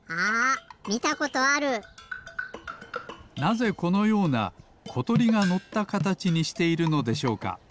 なぜこのようなことりがのったかたちにしているのでしょうか？